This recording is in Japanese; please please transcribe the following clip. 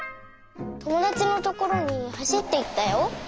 ともだちのところにはしっていったよ。